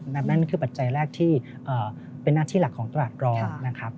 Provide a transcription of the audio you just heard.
นั่นคือปัจจัยแรกที่เป็นหน้าที่หลักของตลาดรองนะครับ